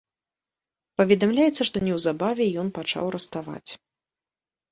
Паведамляецца, што неўзабаве ён пачаў раставаць.